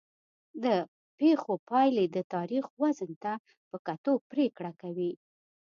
د پېښو پایلې د تاریخ وزن ته په کتو پرېکړه کوي.